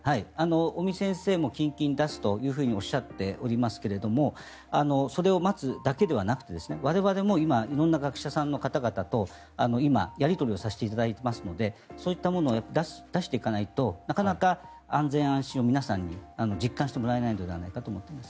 尾身先生も近々に出すとおっしゃっておりますがそれを待つだけではなく我々も色んな学者さんの方々と今、やり取りさせていただいていますのでそういったものを出していかないとなかなか安心安全を皆さんに実感してもらえないんじゃないかと思っています。